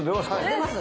出ます。